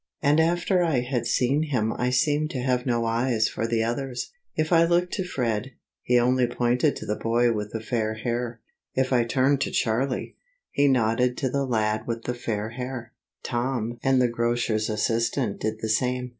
and after I had seen him I seemed to have no eyes for the others. If I looked to Fred, he only pointed to the boy with the fair hair. If I turned to Charlie, he nodded to the lad with the fair hair. Tom and the grocer's assistant did the same.